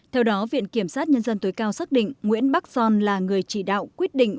theo đó viện kiểm sát nhân dân tối cao xác định nguyễn bắc son là người chỉ đạo quyết định